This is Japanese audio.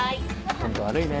ホント悪いね。